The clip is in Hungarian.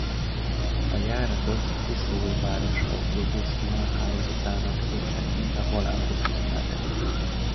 A járatot Tiszaújváros autóbuszvonal-hálózatának részeként a Volánbusz üzemelteti.